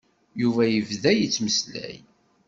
Yuba yebda yettmeslay.